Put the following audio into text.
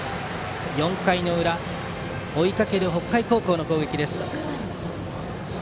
４回の裏追いかける北海高校の攻撃です。